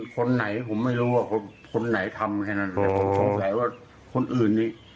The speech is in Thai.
คนไหนผมไม่รู้ว่าคนไหนทำแค่นั้นแต่ผมสงสัยว่าคนอื่นนี่